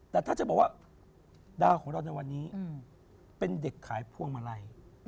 แต่ถ้าจะบอกว่าดาวของเราในวันนี้เป็นเด็กขายพวงมาลัย